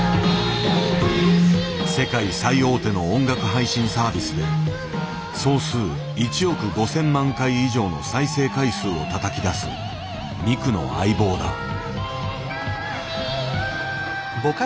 世界最大手の音楽配信サービスで総数１億５，０００万回以上の再生回数をたたき出すミクの相棒だ。